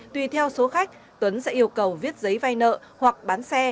tùy theo số khách tuấn sẽ yêu cầu viết giấy vay nợ hoặc bán xe